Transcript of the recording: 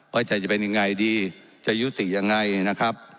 ใจจะเป็นยังไงดีจะยุติยังไงนะครับ